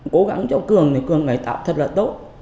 cố gắng chỗ cường thì cường cải tạo thật là tốt